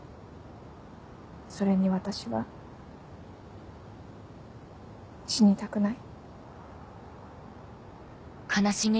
それに私は死にたくない。